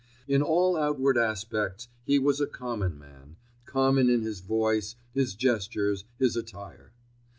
In all outward aspects he was a common man—common in his voice, his gestures, his attire.